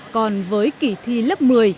còn với kỳ thi lớp một mươi